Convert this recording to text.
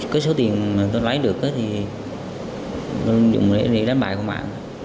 cái số tiền mà tôi lái được thì tôi dùng để đi đánh bại của bạn